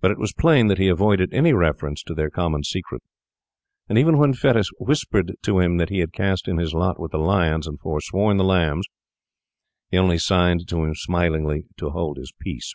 But it was plain that he avoided any reference to their common secret; and even when Fettes whispered to him that he had cast in his lot with the lions and foresworn the lambs, he only signed to him smilingly to hold his peace.